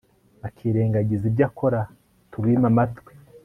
bakirengagiza ibyo ukora, tubime amatwi